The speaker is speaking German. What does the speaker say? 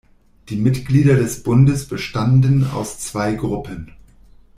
Die Mitglieder des Bundes bestanden aus zwei Gruppen.